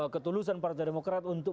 ketulusan partai demokrat untuk